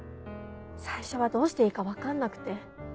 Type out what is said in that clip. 最初はどうしていいか分かんなくて。